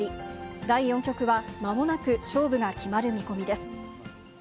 第４局はまもなく勝負が決まる見込みです。